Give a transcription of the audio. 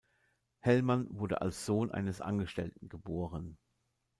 Hellmann wurde als Sohn eines Angestellten geboren.